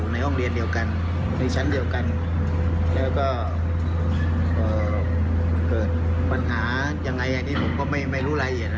ในกรุ๊ปของเค้าเอง